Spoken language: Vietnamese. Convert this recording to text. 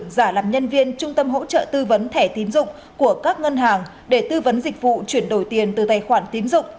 giả làm nhân viên trung tâm hỗ trợ tư vấn thẻ tín dụng của các ngân hàng để tư vấn dịch vụ chuyển đổi tiền từ tài khoản tín dụng